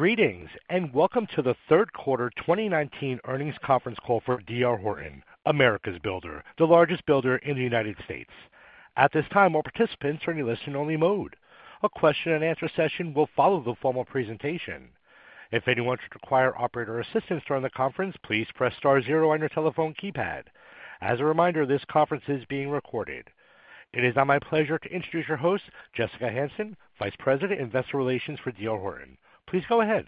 Greetings, and welcome to the Q3 2019 earnings conference call for D.R. Horton, America's builder, the largest builder in the United States. At this time, all participants are in a listen-only mode. A question and answer session will follow the formal presentation. If anyone should require operator assistance during the conference, please press star zero on your telephone keypad. As a reminder, this conference is being recorded. It is now my pleasure to introduce your host, Jessica Hansen, Vice President of Investor Relations for D.R. Horton. Please go ahead.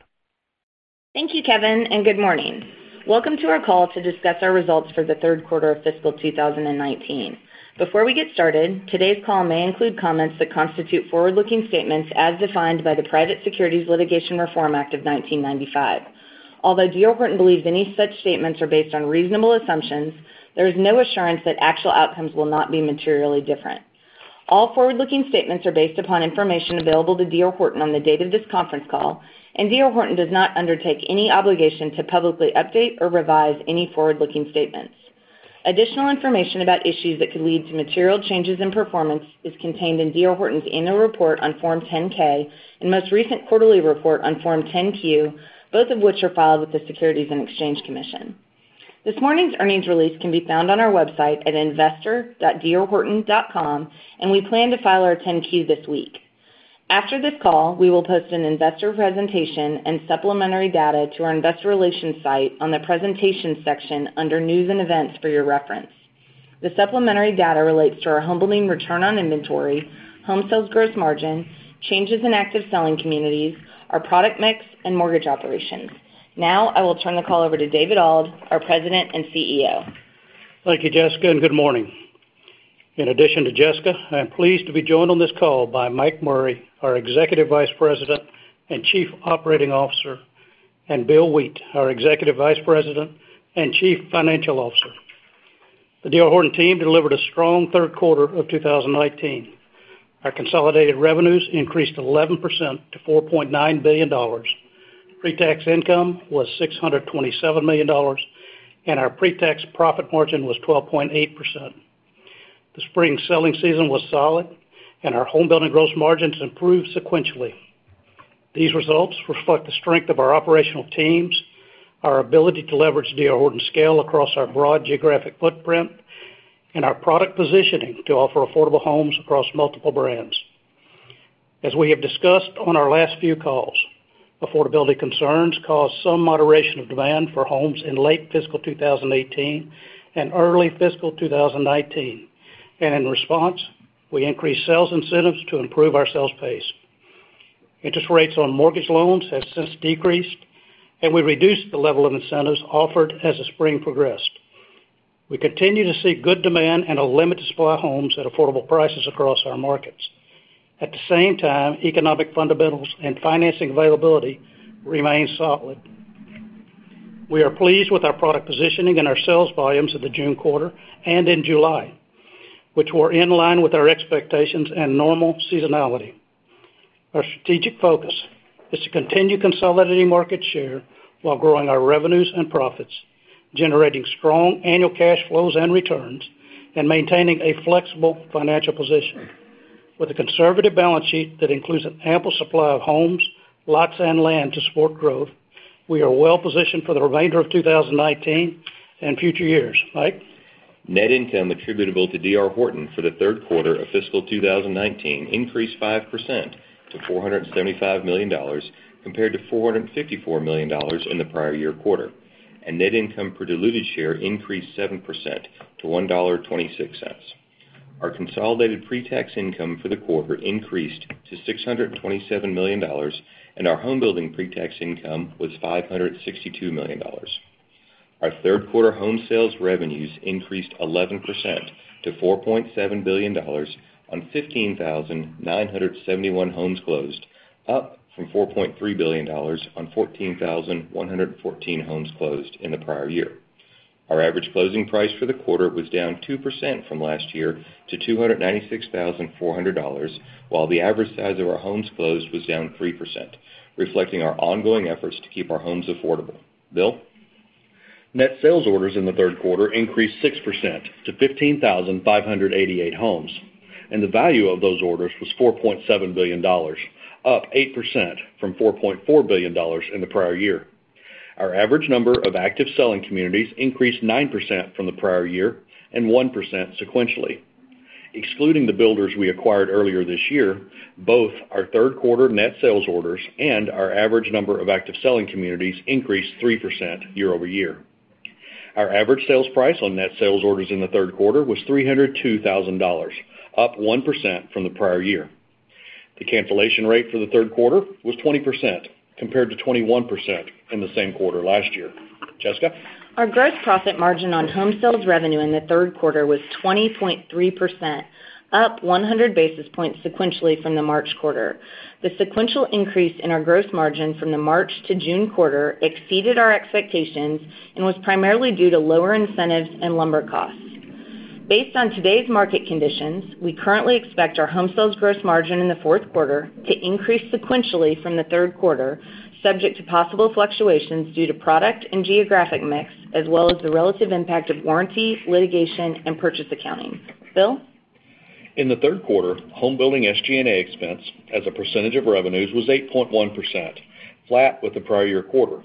Thank you, Kevin, and good morning. Welcome to our call to discuss our results for the Q3 of fiscal 2019. Before we get started, today's call may include comments that constitute forward-looking statements as defined by the Private Securities Litigation Reform Act of 1995. Although D.R. Horton believes any such statements are based on reasonable assumptions, there is no assurance that actual outcomes will not be materially different. All forward-looking statements are based upon information available to D.R. Horton on the date of this conference call, and D.R. Horton does not undertake any obligation to publicly update or revise any forward-looking statements. Additional information about issues that could lead to material changes in performance is contained in D.R. Horton's annual report on Form 10-K and most recent quarterly report on Form 10-Q, both of which are filed with the Securities and Exchange Commission. This morning's earnings release can be found on our website at investor.drhorton.com, and we plan to file our 10-Q this week. After this call, we will post an investor presentation and supplementary data to our investor relations site on the presentations section under news and events for your reference. The supplementary data relates to our homebuilding return on inventory, home sales gross margin, changes in active selling communities, our product mix, and mortgage operations. Now, I will turn the call over to David Auld, our President and CEO. Thank you, Jessica, good morning. In addition to Jessica, I am pleased to be joined on this call by Mike Murray, our Executive Vice President and Chief Operating Officer, and Bill Wheat, our Executive Vice President and Chief Financial Officer. The D.R. Horton team delivered a strong Q3 of 2019. Our consolidated revenues increased 11% to $4.9 billion. Pre-tax income was $627 million, and our pre-tax profit margin was 12.8%. The spring selling season was solid, and our homebuilding gross margins improved sequentially. These results reflect the strength of our operational teams, our ability to leverage D.R. Horton's scale across our broad geographic footprint, and our product positioning to offer affordable homes across multiple brands. As we have discussed on our last few calls, affordability concerns caused some moderation of demand for homes in late fiscal 2018 and early fiscal 2019. In response, we increased sales incentives to improve our sales pace. Interest rates on mortgage loans have since decreased, and we reduced the level of incentives offered as the spring progressed. We continue to see good demand and a limited supply of homes at affordable prices across our markets. At the same time, economic fundamentals and financing availability remain solid. We are pleased with our product positioning and our sales volumes of the June quarter and in July, which were in line with our expectations and normal seasonality. Our strategic focus is to continue consolidating market share while growing our revenues and profits, generating strong annual cash flows and returns, and maintaining a flexible financial position. With a conservative balance sheet that includes an ample supply of homes, lots, and land to support growth, we are well positioned for the remainder of 2019 and future years. Mike? Net income attributable to D.R. Horton for the Q3 of fiscal 2019 increased 5% to $475 million compared to $454 million in the prior year quarter, and net income per diluted share increased 7% to $1.26. Our consolidated pre-tax income for the quarter increased to $627 million, and our homebuilding pre-tax income was $562 million. Our Q3 home sales revenues increased 11% to $4.7 billion on 15,971 homes closed, up from $4.3 billion on 14,114 homes closed in the prior year. Our average closing price for the quarter was down 2% from last year to $296,400, while the average size of our homes closed was down 3%, reflecting our ongoing efforts to keep our homes affordable. Bill? Net sales orders in the Q3 increased 6% to 15,588 homes, and the value of those orders was $4.7 billion, up 8% from $4.4 billion in the prior year. Our average number of active selling communities increased 9% from the prior year and 1% sequentially. Excluding the builders we acquired earlier this year, both our Q3 net sales orders and our average number of active selling communities increased 3% year-over-year. Our average sales price on net sales orders in the Q3 was $302,000, up 1% from the prior year. The cancellation rate for the Q3 was 20%, compared to 21% in the same quarter last year. Jessica? Our gross profit margin on home sales revenue in the Q3 was 20.3%, up 100 basis points sequentially from the March quarter. The sequential increase in our gross margin from the March to June quarter exceeded our expectations and was primarily due to lower incentives and lumber costs. Based on today's market conditions, we currently expect our home sales gross margin in the Q4 to increase sequentially from the Q3, subject to possible fluctuations due to product and geographic mix, as well as the relative impact of warranty, litigation, and purchase accounting. Bill? In the Q3, home building SG&A expense as a percentage of revenues was 8.1%, flat with the prior year quarter.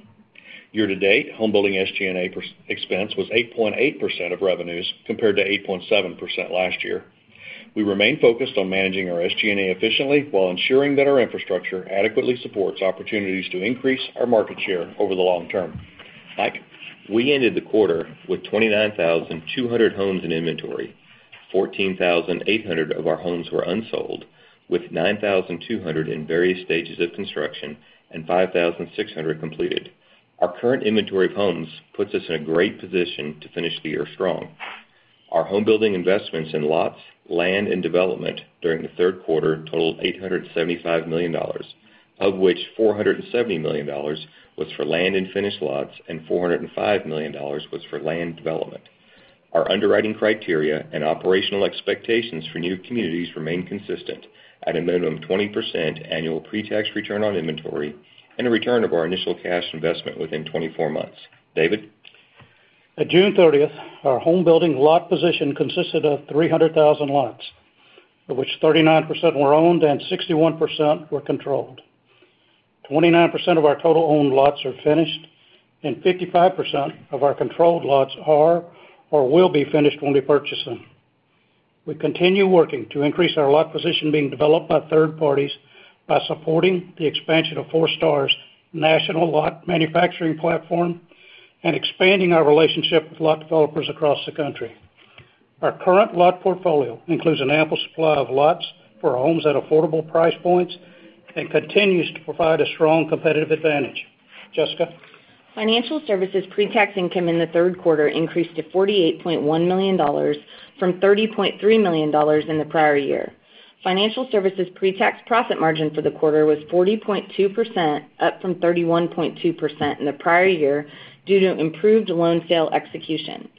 Year to date, home building SG&A expense was 8.8% of revenues, compared to 8.7% last year. We remain focused on managing our SG&A efficiently while ensuring that our infrastructure adequately supports opportunities to increase our market share over the long term. Mike? We ended the quarter with 29,200 homes in inventory. 14,800 of our homes were unsold, with 9,200 in various stages of construction and 5,600 completed. Our current inventory of homes puts us in a great position to finish the year strong. Our home building investments in lots, land, and development during the Q3 totaled $875 million, of which $470 million was for land and finished lots, and $405 million was for land development. Our underwriting criteria and operational expectations for new communities remain consistent at a minimum 20% annual pre-tax return on inventory and a return of our initial cash investment within 24 months. David? At June 30th, our home building lot position consisted of 300,000 lots, of which 39% were owned and 61% were controlled. 29% of our total owned lots are finished, and 55% of our controlled lots are or will be finished when we purchase them. We continue working to increase our lot position being developed by third parties by supporting the expansion of Forestar's national lot manufacturing platform and expanding our relationship with lot developers across the country. Our current lot portfolio includes an ample supply of lots for homes at affordable price points and continues to provide a strong competitive advantage. Jessica? Financial services pre-tax income in the Q3 increased to $48.1 million from $30.3 million in the prior year. Financial services pre-tax profit margin for the quarter was 40.2%, up from 31.2% in the prior year due to improved loan sale execution.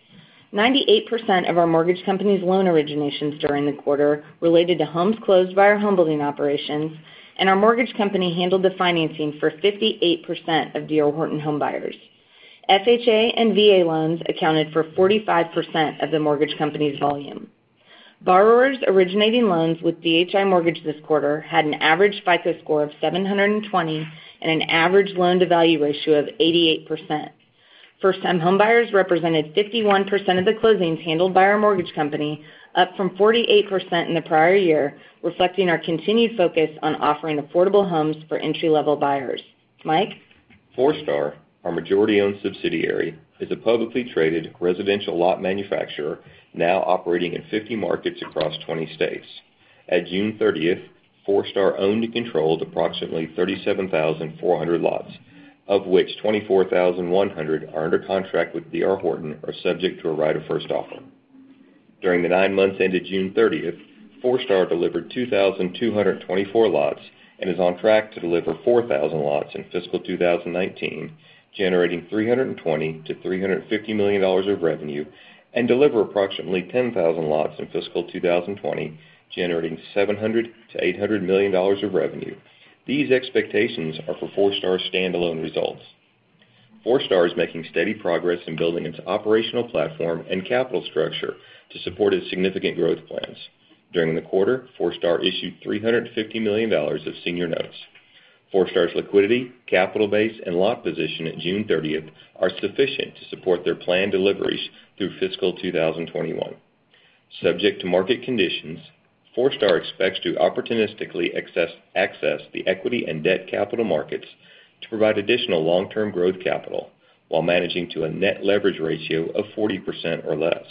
98% of our mortgage company's loan originations during the quarter related to homes closed by our home building operations, and our mortgage company handled the financing for 58% of D.R. Horton home buyers. FHA and VA loans accounted for 45% of the mortgage company's volume. Borrowers originating loans with DHI Mortgage this quarter had an average FICO score of 720 and an average loan-to-value ratio of 88%. First-time homebuyers represented 51% of the closings handled by our mortgage company, up from 48% in the prior year, reflecting our continued focus on offering affordable homes for entry-level buyers. Mike? Forestar, our majority-owned subsidiary, is a publicly traded residential lot manufacturer now operating in 50 markets across 20 states. At June 30th, Forestar owned and controlled approximately 37,400 lots, of which 24,100 are under contract with D.R. Horton or subject to a right of first offer. During the nine months ended June 30th, Forestar delivered 2,224 lots and is on track to deliver 4,000 lots in fiscal 2019, generating $320 million-$350 million of revenue, and deliver approximately 10,000 lots in fiscal 2020, generating $700 million-$800 million of revenue. These expectations are for Forestar standalone results. Forestar is making steady progress in building its operational platform and capital structure to support its significant growth plans. During the quarter, Forestar issued $350 million of senior notes. Forestar's liquidity, capital base, and lot position at June 30th are sufficient to support their planned deliveries through fiscal 2021. Subject to market conditions, Forestar expects to opportunistically access the equity and debt capital markets to provide additional long-term growth capital while managing to a net leverage ratio of 40% or less.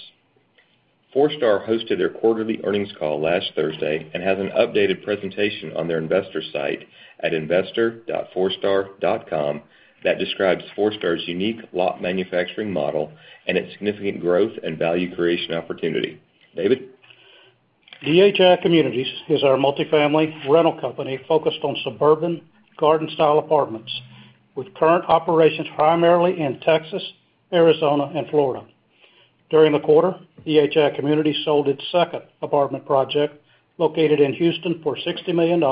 Forestar hosted their quarterly earnings call last Thursday and has an updated presentation on their investor site at investor.forestar.com that describes Forestar's unique lot manufacturing model and its significant growth and value creation opportunity. David? DHI Communities is our multifamily rental company focused on suburban garden-style apartments with current operations primarily in Texas, Arizona, and Florida. During the quarter, DHI Communities sold its second apartment project, located in Houston, for $60 million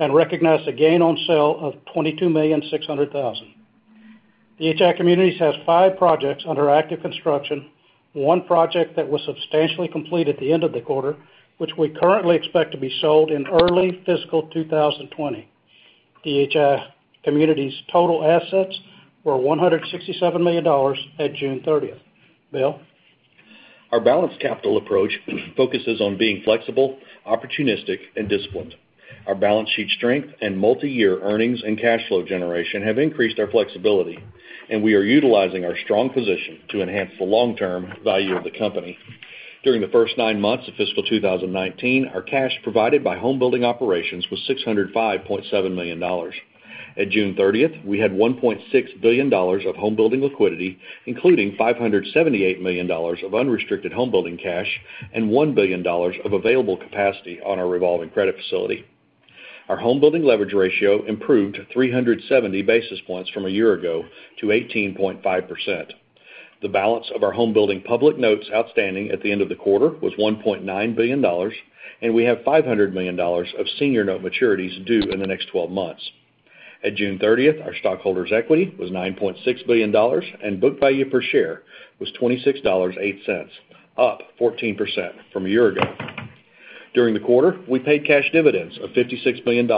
and recognized a gain on sale of $22,600,000. DHI Communities has five projects under active construction, one project that was substantially complete at the end of the quarter, which we currently expect to be sold in early fiscal 2020. DHI Communities' total assets were $167 million at June 30th. Bill? Our balanced capital approach focuses on being flexible, opportunistic, and disciplined. Our balance sheet strength and multi-year earnings and cash flow generation have increased our flexibility, and we are utilizing our strong position to enhance the long-term value of the company. During the first nine months of fiscal 2019, our cash provided by home building operations was $605.7 million. At June 30th, we had $1.6 billion of home building liquidity, including $578 million of unrestricted home building cash and $1 billion of available capacity on our revolving credit facility. Our home building leverage ratio improved 370 basis points from a year ago to 18.5%. The balance of our home building public notes outstanding at the end of the quarter was $1.9 billion, and we have $500 million of senior note maturities due in the next 12 months. At June 30th, our stockholders' equity was $9.6 billion, and book value per share was $26.08, up 14% from a year ago. During the quarter, we paid cash dividends of $56 million.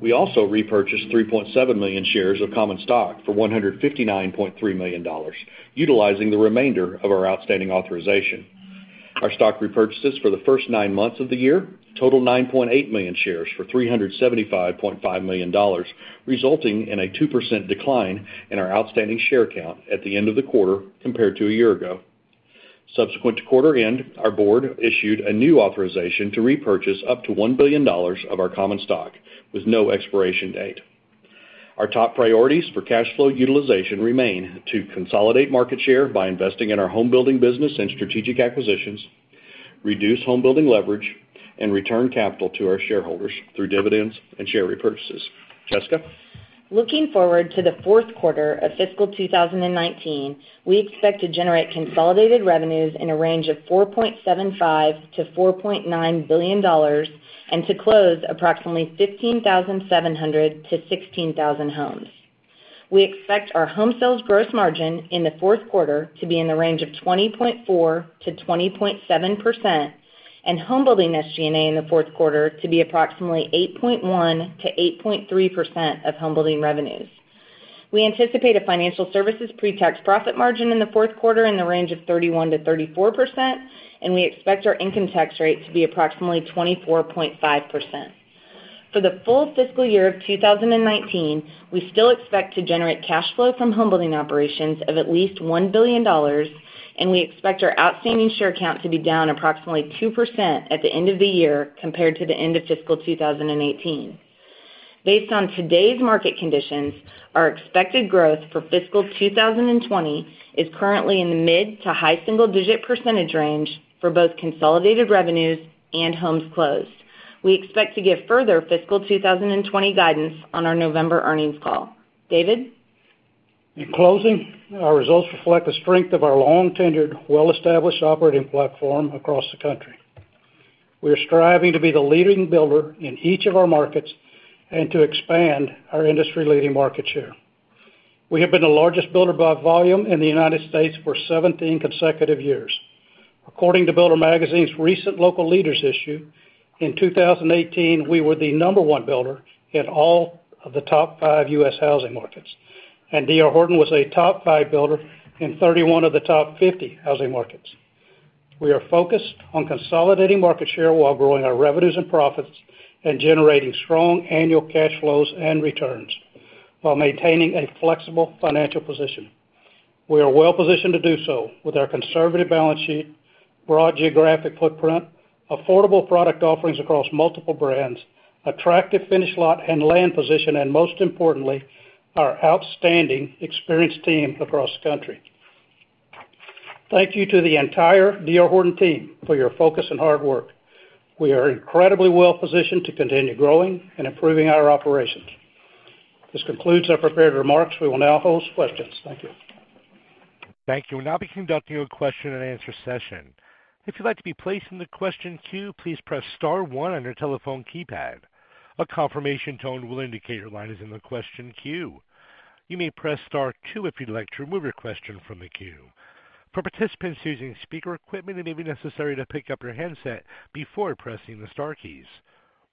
We also repurchased 3.7 million shares of common stock for $159.3 million, utilizing the remainder of our outstanding authorization. Our stock repurchases for the first nine months of the year total 9.8 million shares for $375.5 million, resulting in a 2% decline in our outstanding share count at the end of the quarter compared to a year ago. Subsequent to quarter end, our board issued a new authorization to repurchase up to $1 billion of our common stock with no expiration date. Our top priorities for cash flow utilization remain to consolidate market share by investing in our homebuilding business and strategic acquisitions, reduce homebuilding leverage, and return capital to our shareholders through dividends and share repurchases. Jessica? Looking forward to the Q4 of fiscal 2019, we expect to generate consolidated revenues in a range of $4.75 billion-$4.9 billion and to close approximately 15,700-16,000 homes. We expect our home sales gross margin in the Q4 to be in the range of 20.4%-20.7%, and home building SG&A in the Q4 to be approximately 8.1%-8.3% of home building revenues. We anticipate a financial services pre-tax profit margin in the Q4 in the range of 31%-34%, and we expect our income tax rate to be approximately 24.5%. For the full fiscal year of 2019, we still expect to generate cash flow from home building operations of at least $1 billion, and we expect our outstanding share count to be down approximately 2% at the end of the year compared to the end of fiscal 2018. Based on today's market conditions, our expected growth for fiscal 2020 is currently in the mid to high single-digit % range for both consolidated revenues and homes closed. We expect to give further fiscal 2020 guidance on our November earnings call. David? In closing, our results reflect the strength of our long-tenured, well-established operating platform across the country. We are striving to be the leading builder in each of our markets and to expand our industry-leading market share. We have been the largest builder by volume in the U.S. for 17 consecutive years. According to Builder Magazine's recent Local Leaders issue, in 2018, we were the number one builder in all of the top five U.S. housing markets, and D.R. Horton was a top five builder in 31 of the top 50 housing markets. We are focused on consolidating market share while growing our revenues and profits and generating strong annual cash flows and returns while maintaining a flexible financial position. We are well positioned to do so with our conservative balance sheet, broad geographic footprint, affordable product offerings across multiple brands, attractive finished lot and land position, and most importantly, our outstanding experienced team across the country. Thank you to the entire D.R. Horton team for your focus and hard work. We are incredibly well positioned to continue growing and improving our operations. This concludes our prepared remarks. We will now host questions. Thank you. Thank you. We'll now be conducting a question and answer session. If you'd like to be placed in the question queue, please press star one on your telephone keypad. A confirmation tone will indicate your line is in the question queue. You may press star two if you'd like to remove your question from the queue. For participants using speaker equipment, it may be necessary to pick up your handset before pressing the star keys.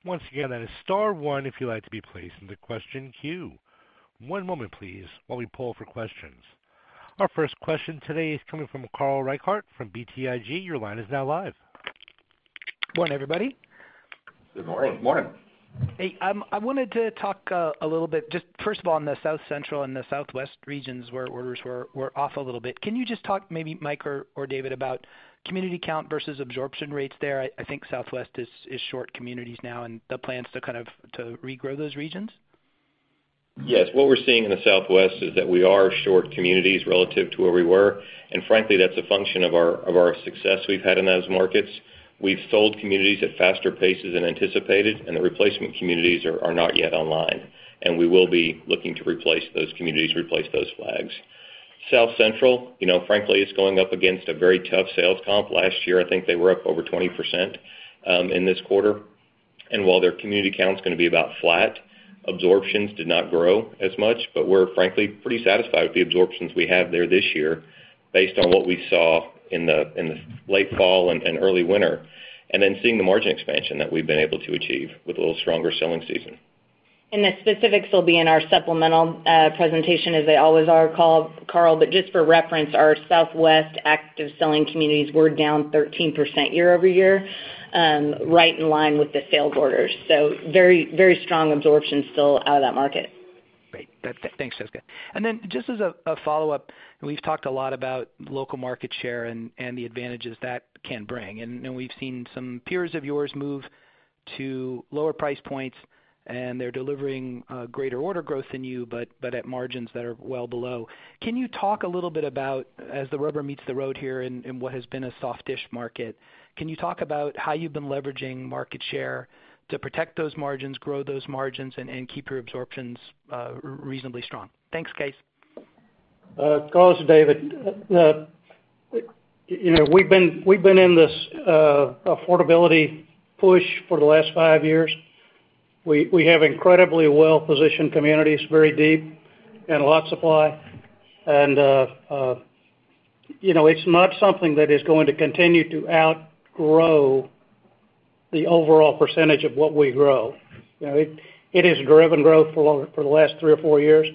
Once again, that is star one if you'd like to be placed in the question queue. One moment please while we poll for questions. Our first question today is coming from Carl Reichardt from BTIG. Your line is now live. Morning, everybody. Good morning. Morning. Hey, I wanted to talk a little bit just first of all on the South Central and the Southwest regions where orders were off a little bit. Can you just talk maybe Mike or David, about community count versus absorption rates there? I think Southwest is short communities now and the plans to regrow those regions. Yes. What we're seeing in the Southwest is that we are short communities relative to where we were, and frankly, that's a function of our success we've had in those markets. We've sold communities at faster paces than anticipated, and the replacement communities are not yet online, and we will be looking to replace those communities, replace those flags. South Central, frankly, is going up against a very tough sales comp. Last year, I think they were up over 20% in this quarter. While their community count's going to be about flat, absorptions did not grow as much, but we're frankly pretty satisfied with the absorptions we have there this year based on what we saw in the late fall and early winter, and then seeing the margin expansion that we've been able to achieve with a little stronger selling season. The specifics will be in our supplemental presentation as they always are, Carl, but just for reference, our Southwest active selling communities were down 13% year-over-year, right in line with the sales orders. Very strong absorption still out of that market. Great. Thanks, Jessica. Then just as a follow-up, we've talked a lot about local market share and the advantages that can bring, and we've seen some peers of yours move to lower price points, and they're delivering greater order growth than you, but at margins that are well below. Can you talk a little bit about, as the rubber meets the road here in what has been a soft-ish market, can you talk about how you've been leveraging market share to protect those margins, grow those margins, and keep your absorptions reasonably strong? Thanks, guys. Gause, David. We've been in this affordability push for the last five years. We have incredibly well-positioned communities, very deep and a lot of supply. It's not something that is going to continue to outgrow the overall percentage of what we grow. It has driven growth for the last three or four years.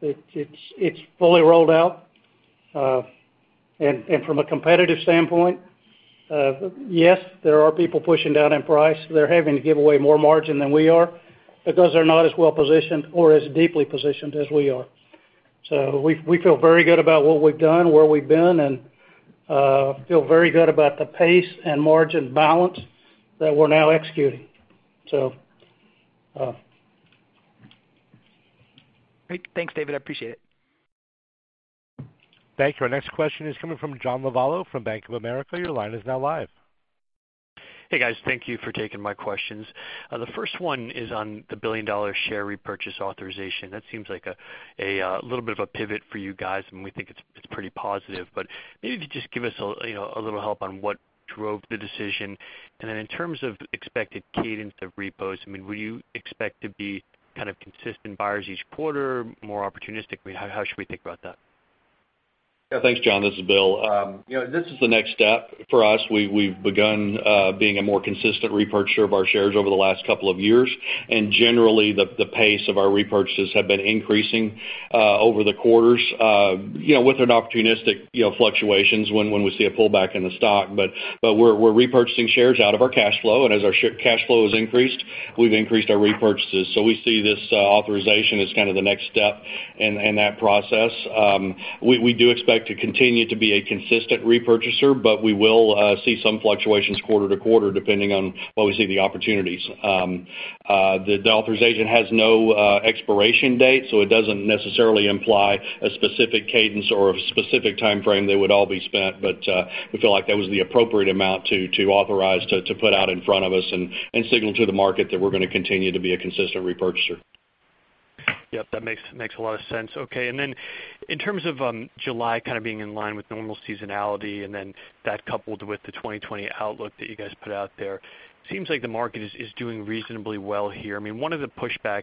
It's fully rolled out. From a competitive standpoint, yes, there are people pushing down in price. They're having to give away more margin than we are because they're not as well-positioned or as deeply positioned as we are. We feel very good about what we've done, where we've been, and feel very good about the pace and margin balance that we're now executing, so. Great. Thanks, David. I appreciate it. Thank you. Our next question is coming from John Lovallo from Bank of America. Your line is now live. Hey, guys. Thank you for taking my questions. The first one is on the billion-dollar share repurchase authorization. That seems like a little bit of a pivot for you guys, and we think it's pretty positive. Maybe if you just give us a little help on what drove the decision. Then in terms of expected cadence of repos, would you expect to be kind of consistent buyers each quarter, more opportunistically? How should we think about that? Yeah. Thanks, John. This is Bill. This is the next step for us. We've begun being a more consistent repurchaser of our shares over the last couple of years. Generally, the pace of our repurchases have been increasing over the quarters with opportunistic fluctuations when we see a pullback in the stock. We're repurchasing shares out of our cash flow, and as our cash flow has increased, we've increased our repurchases. We see this authorization as kind of the next step in that process. We do expect to continue to be a consistent repurchaser, but we will see some fluctuations quarter to quarter depending on what we see the opportunities. The authorization has no expiration date, so it doesn't necessarily imply a specific cadence or a specific timeframe they would all be spent. We feel like that was the appropriate amount to authorize to put out in front of us and signal to the market that we're going to continue to be a consistent repurchaser. Yep, that makes a lot of sense. Okay. In terms of July kind of being in line with normal seasonality, that coupled with the 2020 outlook that you guys put out there, seems like the market is doing reasonably well here. One of the pushback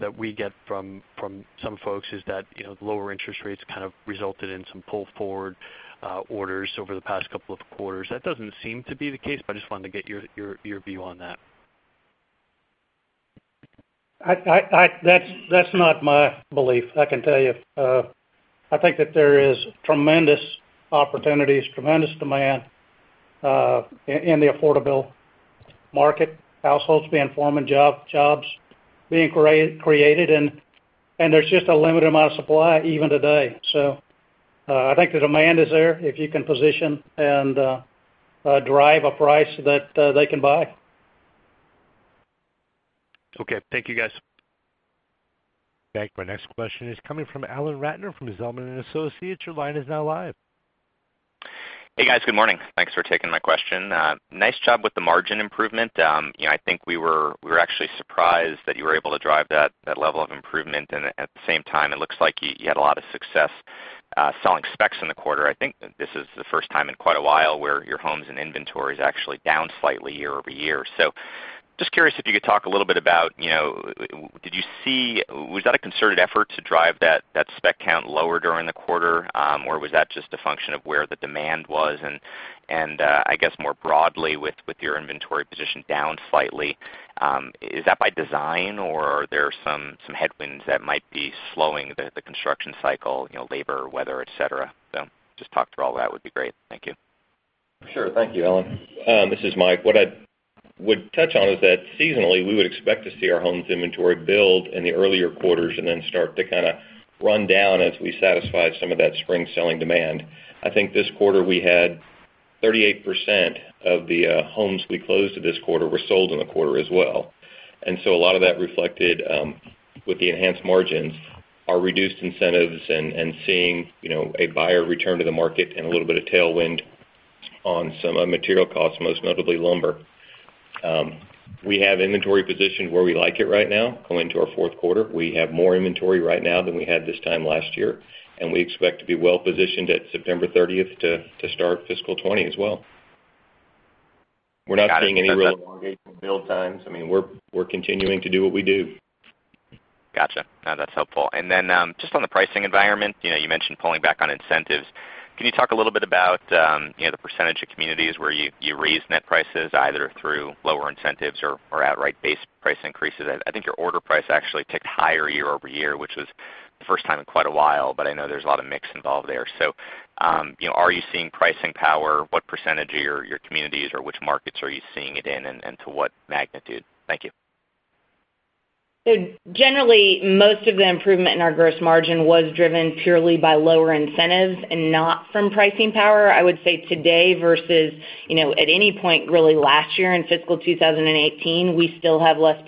that we get from some folks is that lower interest rates kind of resulted in some pull-forward orders over the past couple of quarters. That doesn't seem to be the case, but I just wanted to get your view on that. That's not my belief, I can tell you. I think that there is tremendous opportunities, tremendous demand in the affordable market. Households being formed and jobs being created, and there's just a limited amount of supply even today. I think the demand is there if you can position and drive a price that they can buy. Okay. Thank you, guys. Okay. Our next question is coming from Alan Ratner from Zelman & Associates. Your line is now live. Hey, guys. Good morning. Thanks for taking my question. Nice job with the margin improvement. I think we were actually surprised that you were able to drive that level of improvement. At the same time, it looks like you had a lot of success selling specs in the quarter. I think this is the first time in quite a while where your homes and inventory is actually down slightly year-over-year. Just curious if you could talk a little bit about, was that a concerted effort to drive that spec count lower during the quarter? Or was that just a function of where the demand was? I guess more broadly, with your inventory position down slightly, is that by design, or are there some headwinds that might be slowing the construction cycle, labor, weather, et cetera? Just talk through all that would be great. Thank you. Sure. Thank you, Alan. This is Mike. What I would touch on is that seasonally, we would expect to see our homes inventory build in the earlier quarters and then start to kind of run down as we satisfy some of that spring selling demand. I think this quarter we had 38% of the homes we closed this quarter were sold in the quarter as well. A lot of that reflected with the enhanced margins, our reduced incentives, and seeing a buyer return to the market and a little bit of tailwind on some material costs, most notably lumber. We have inventory positioned where we like it right now going into our Q4. We have more inventory right now than we had this time last year, and we expect to be well-positioned at September 30th, to start fiscal 2020 as well. We're not seeing any real elongation in build times. We're continuing to do what we do. Got you. No, that's helpful. Then just on the pricing environment, you mentioned pulling back on incentives. Can you talk a little bit about the percentage of communities where you raised net prices, either through lower incentives or outright base price increases? I think your order price actually ticked higher year-over-year, which was the first time in quite a while, but I know there's a lot of mix involved there. So are you seeing pricing power? What percentage of your communities or which markets are you seeing it in, and to what magnitude? Thank you. Generally, most of the improvement in our gross margin was driven purely by lower incentives and not from pricing power. I would say today versus at any point really last year in fiscal 2018, we still have less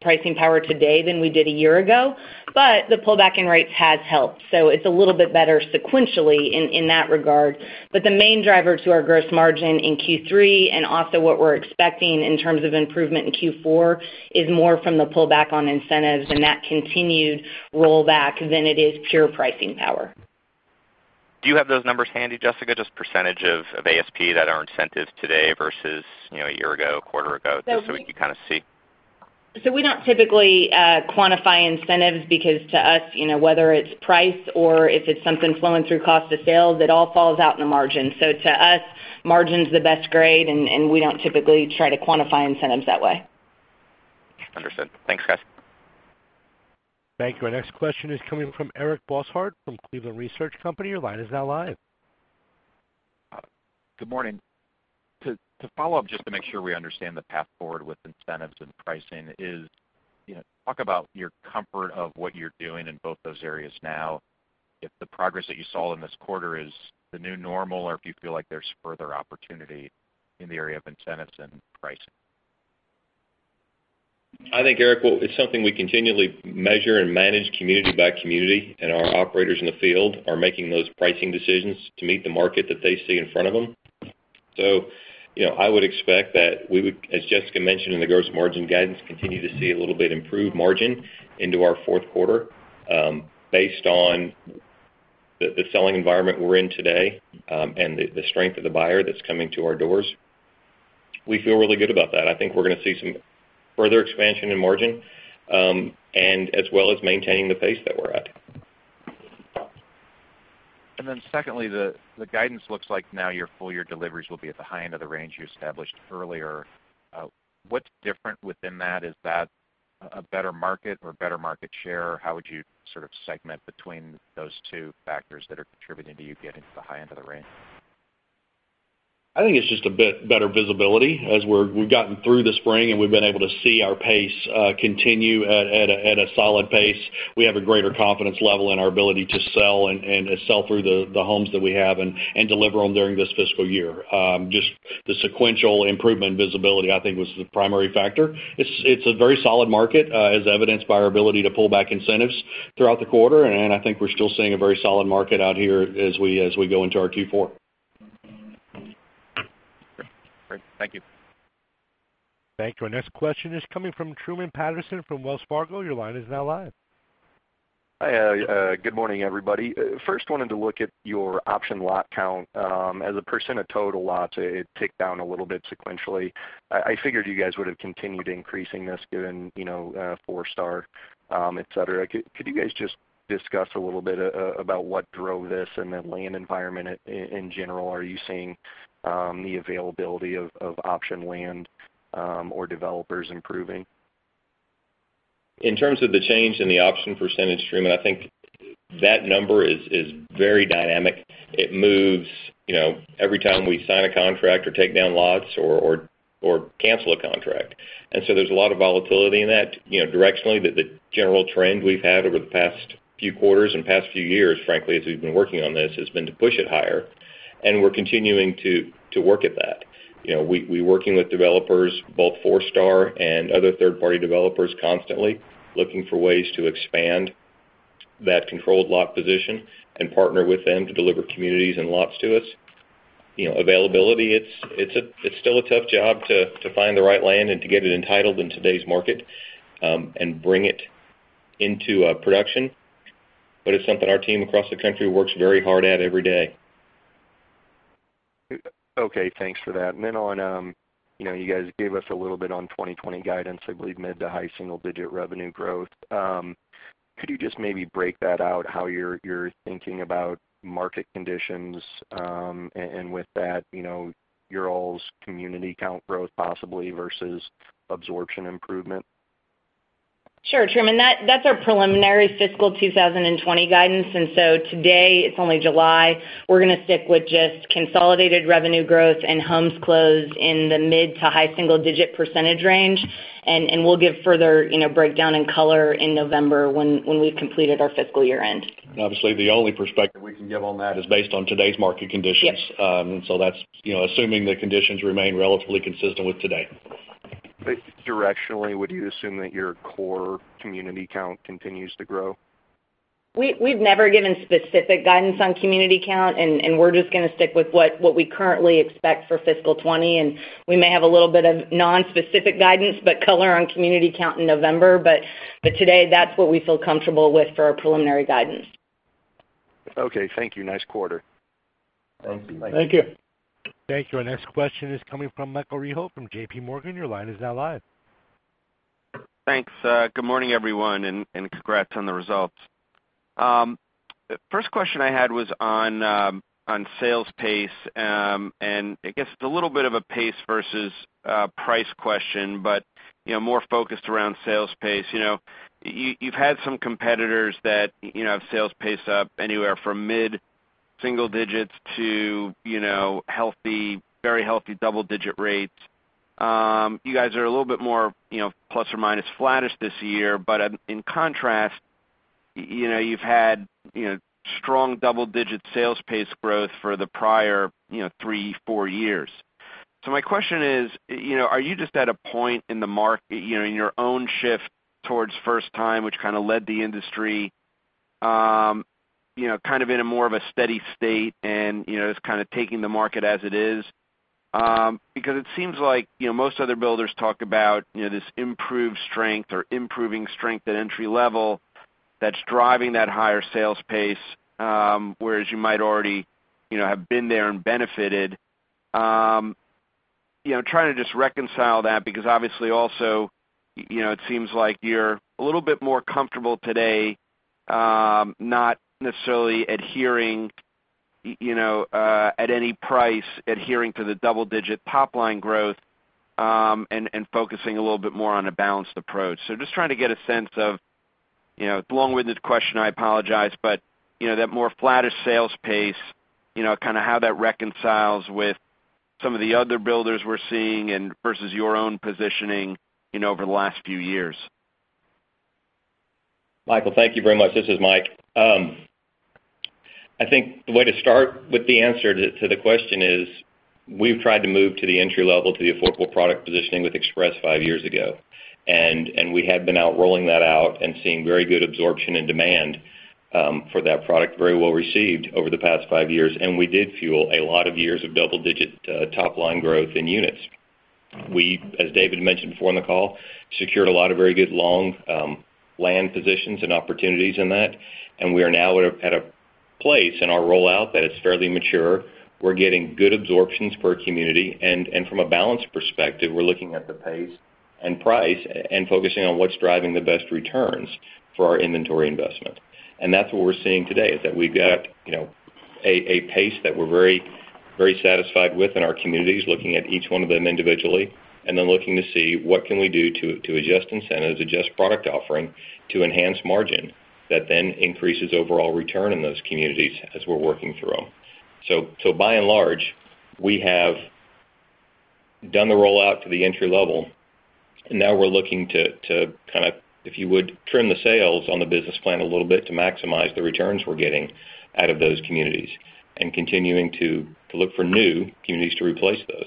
pricing power today than we did a year ago. The pullback in rates has helped. It's a little bit better sequentially in that regard. The main driver to our gross margin in Q3, and also what we're expecting in terms of improvement in Q4, is more from the pullback on incentives and that continued rollback than it is pure pricing power. Do you have those numbers handy, Jessica? Just percentage of ASP that are incentive today versus a year ago, a quarter ago, just so we can kind of see. We don't typically quantify incentives because to us, whether it's price or if it's something flowing through cost of sales, it all falls out in the margin. To us, margin's the best grade, and we don't typically try to quantify incentives that way. Understood. Thanks, guys. Thank you. Our next question is coming from Eric Bosshard from Cleveland Research Company. Your line is now live. Good morning. To follow up, just to make sure we understand the path forward with incentives and pricing, talk about your comfort of what you're doing in both those areas now, if the progress that you saw in this quarter is the new normal, or if you feel like there's further opportunity in the area of incentives and pricing? I think, Eric, it's something we continually measure and manage community by community. Our operators in the field are making those pricing decisions to meet the market that they see in front of them. I would expect that we would, as Jessica mentioned in the gross margin guidance, continue to see a little bit improved margin into our Q4, based on the selling environment we're in today. The strength of the buyer that's coming to our doors. We feel really good about that. I think we're going to see some further expansion in margin, as well as maintaining the pace that we're at. Secondly, the guidance looks like now your full year deliveries will be at the high end of the range you established earlier. What's different within that? Is that a better market or better market share? How would you sort of segment between those two factors that are contributing to you getting to the high end of the range? I think it's just a bit better visibility. As we've gotten through the spring, and we've been able to see our pace continue at a solid pace. We have a greater confidence level in our ability to sell and to sell through the homes that we have and deliver them during this fiscal year. Just the sequential improvement in visibility, I think, was the primary factor. It's a very solid market, as evidenced by our ability to pull back incentives throughout the quarter. I think we're still seeing a very solid market out here as we go into our Q4. Great. Thank you. Thank you. Our next question is coming from Truman Patterson from Wells Fargo. Your line is now live. Hi, good morning, everybody. First wanted to look at your option lot count. As a percent of total lots, it ticked down a little bit sequentially. I figured you guys would have continued increasing this given Forestar, et cetera. Could you guys just discuss a little bit about what drove this and the land environment in general? Are you seeing the availability of option land or developers improving? In terms of the change in the option percentage, Truman, I think that number is very dynamic. It moves every time we sign a contract or take down lots or cancel a contract. There's a lot of volatility in that. Directionally, the general trend we've had over the past few quarters and past few years, frankly, as we've been working on this, has been to push it higher, and we're continuing to work at that. We're working with developers, both Forestar and other third-party developers constantly, looking for ways to expand that controlled lot position and partner with them to deliver communities and lots to us. Availability, it's still a tough job to find the right land and to get it entitled in today's market, and bring it into production. It's something our team across the country works very hard at every day. Okay, thanks for that. You guys gave us a little bit on 2020 guidance, I believe mid to high single-digit revenue growth. Could you just maybe break that out, how you're thinking about market conditions, and with that, your all's community count growth possibly versus absorption improvement? Sure, Truman, that's our preliminary fiscal 2020 guidance. Today, it's only July, we're going to stick with just consolidated revenue growth and homes closed in the mid to high single-digit % range. We'll give further breakdown and color in November when we've completed our fiscal year-end. Obviously the only perspective we can give on that is based on today's market conditions. Yep. That's assuming the conditions remain relatively consistent with today. Directionally, would you assume that your core community count continues to grow? We've never given specific guidance on community count, and we're just going to stick with what we currently expect for fiscal 2020, and we may have a little bit of non-specific guidance, but color on community count in November. Today, that's what we feel comfortable with for our preliminary guidance. Okay, thank you. Nice quarter. Thank you. Thank you. Our next question is coming from Michael Rehaut from J.P. Morgan. Your line is now live. Thanks. Good morning, everyone. Congrats on the results. First question I had was on sales pace, and I guess it's a little bit of a pace versus price question, but more focused around sales pace. You've had some competitors that have sales pace up anywhere from mid-single digits to very healthy double-digit rates. You guys are a little bit more plus or minus flattish this year. In contrast, you've had strong double-digit sales pace growth for the prior three, four years. My question is, are you just at a point in your own shift towards first-time, which kind of led the industry, kind of in a more of a steady state, and just kind of taking the market as it is? Because it seems like most other builders talk about this improved strength or improving strength at entry-level that's driving that higher sales pace, whereas you might already have been there and benefited. I'm trying to just reconcile that because obviously also, it seems like you're a little bit more comfortable today, not necessarily adhering at any price, adhering to the double-digit top-line growth, and focusing a little bit more on a balanced approach. Just trying to get a sense of, long-winded question, I apologize, but that more flattish sales pace, how that reconciles with some of the other builders we're seeing and versus your own positioning over the last few years? Michael, thank you very much. This is Mike. I think the way to start with the answer to the question is, we've tried to move to the entry level to the affordable product positioning with Express five years ago. We had been out rolling that out and seeing very good absorption and demand for that product, very well received over the past five years. We did fuel a lot of years of double-digit top-line growth in units. We, as David mentioned before on the call, secured a lot of very good long land positions and opportunities in that. We are now at a place in our rollout that is fairly mature. We're getting good absorptions per community. From a balance perspective, we're looking at the pace and price and focusing on what's driving the best returns for our inventory investment. That's what we're seeing today, is that we've got a pace that we're very satisfied with in our communities, looking at each one of them individually, and then looking to see what can we do to adjust incentives, adjust product offering to enhance margin that then increases overall return in those communities as we're working through them. By and large, we have done the rollout to the entry level. Now we're looking to kind of, if you would, trim the sails on the business plan a little bit to maximize the returns we're getting out of those communities and continuing to look for new communities to replace those.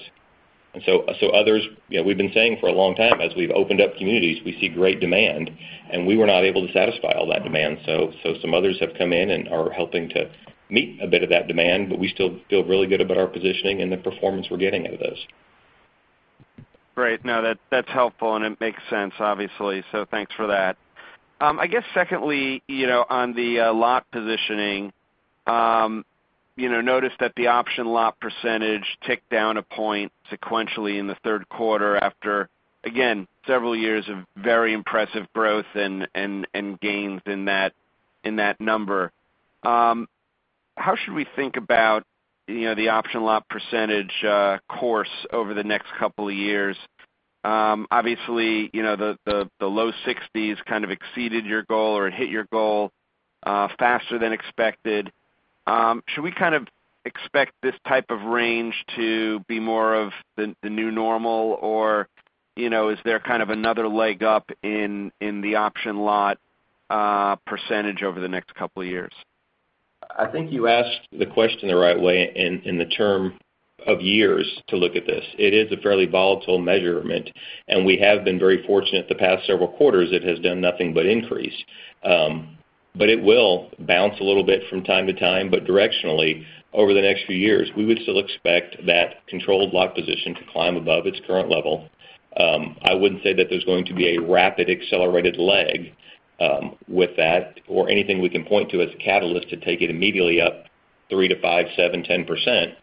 Others, we've been saying for a long time, as we've opened up communities, we see great demand, and we were not able to satisfy all that demand. Some others have come in and are helping to meet a bit of that demand, but we still feel really good about our positioning and the performance we're getting out of those. Great. No, that's helpful, and it makes sense, obviously. Thanks for that. I guess secondly, on the lot positioning, noticed that the option lot percentage ticked down one point sequentially in the Q3 after, again, several years of very impressive growth and gains in that number. How should we think about the option lot percentage course over the next couple of years? Obviously, the low 60s kind of exceeded your goal or hit your goal faster than expected. Should we kind of expect this type of range to be more of the new normal, or is there kind of another leg up in the option lot percentage over the next couple of years? I think you asked the question the right way in the term of years to look at this. It is a fairly volatile measurement, and we have been very fortunate the past several quarters, it has done nothing but increase. It will bounce a little bit from time to time, but directionally, over the next few years, we would still expect that controlled lot position to climb above its current level. I wouldn't say that there's going to be a rapid accelerated leg with that or anything we can point to as a catalyst to take it immediately up 3%-5%, 7%,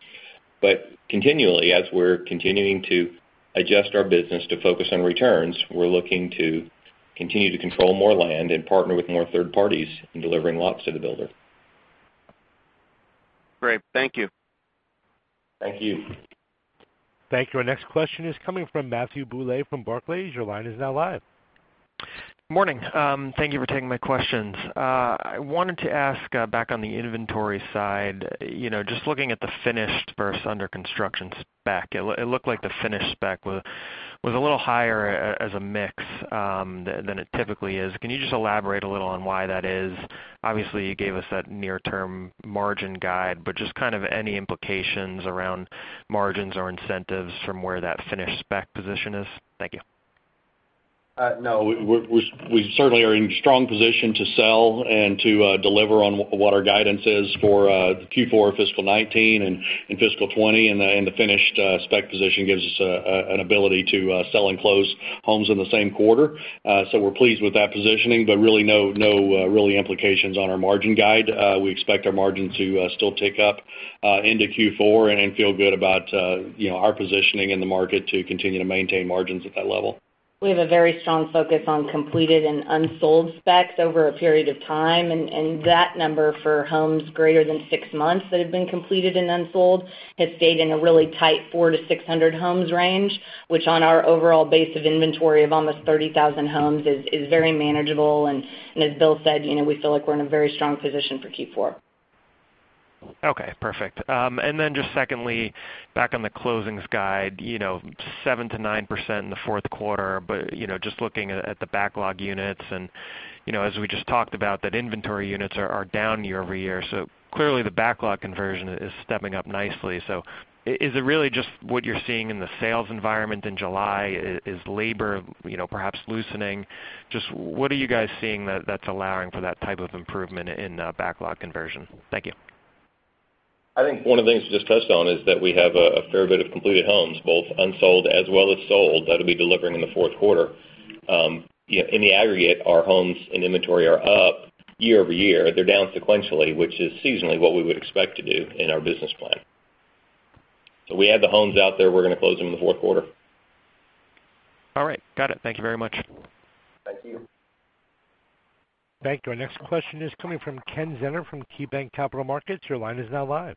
10%. Continually, as we're continuing to adjust our business to focus on returns, we're looking to continue to control more land and partner with more third parties in delivering lots to the builder. Great. Thank you. Thank you. Thank you. Our next question is coming from Matthew Bouley from Barclays. Your line is now live. Morning. Thank you for taking my questions. I wanted to ask back on the inventory side, just looking at the finished versus under construction spec, it looked like the finished spec was a little higher as a mix than it typically is. Can you just elaborate a little on why that is? Obviously, you gave us that near-term margin guide, just kind of any implications around margins or incentives from where that finished spec position is? Thank you. No, we certainly are in a strong position to sell and to deliver on what our guidance is for Q4 fiscal 2019 and fiscal 2020, and the finished spec position gives us an ability to sell and close homes in the same quarter. We're pleased with that positioning, but really no implications on our margin guide. We expect our margin to still tick up into Q4 and feel good about our positioning in the market to continue to maintain margins at that level. We have a very strong focus on completed and unsold specs over a period of time. That number for homes greater than six months that have been completed and unsold has stayed in a really tight 400-600 homes range, which on our overall base of inventory of almost 30,000 homes is very manageable. As Bill said, we feel like we're in a very strong position for Q4. Okay, perfect. Then just secondly, back on the closings guide, 7%-9% in the Q4. Just looking at the backlog units and as we just talked about, that inventory units are down year-over-year. Clearly the backlog conversion is stepping up nicely. Is it really just what you're seeing in the sales environment in July? Is labor perhaps loosening? Just what are you guys seeing that's allowing for that type of improvement in backlog conversion? Thank you. I think one of the things we just touched on is that we have a fair bit of completed homes, both unsold as well as sold, that'll be delivering in the Q4. In the aggregate, our homes and inventory are up year-over-year. They're down sequentially, which is seasonally what we would expect to do in our business plan. We have the homes out there. We're going to close them in the Q4. All right. Got it. Thank you very much. Thank you. Thank you. Our next question is coming from Ken Zener from KeyBanc Capital Markets. Your line is now live.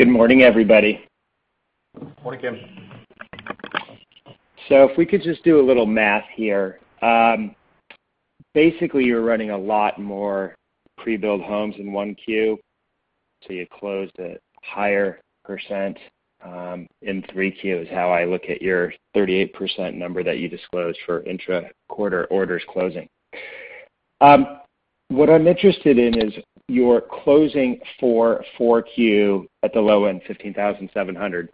Good morning, everybody. Morning, Ken. If we could just do a little math here. Basically, you're running a lot more pre-built homes in 1Q, so you closed a higher % in 3Q is how I look at your 38% number that you disclosed for intra-quarter orders closing. What I'm interested in is your closing for 4Q at the low end, 15,700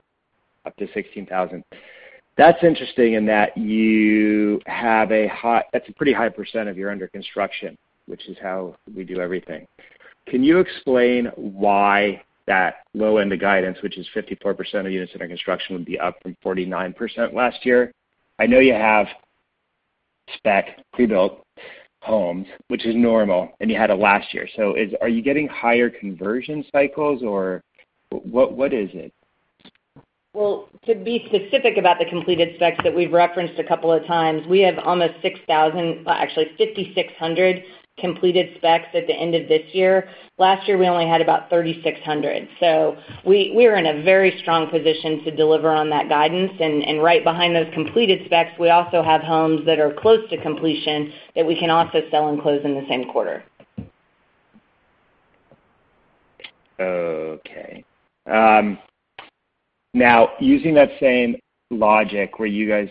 up to 16,000. That's interesting in that you have a pretty high % of your under construction, which is how we do everything. Can you explain why that low end of guidance, which is 54% of units under construction, would be up from 49% last year? I know you have spec pre-built homes, which is normal, and you had it last year. Are you getting higher conversion cycles or what is it? Well, to be specific about the completed specs that we've referenced a couple of times, we have almost 6,000, well, actually 5,600 completed specs at the end of this year. Last year, we only had about 3,600. We are in a very strong position to deliver on that guidance. Right behind those completed specs, we also have homes that are close to completion that we can also sell and close in the same quarter. Using that same logic where you guys